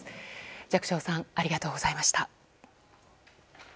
寂聴さんありがとうございました。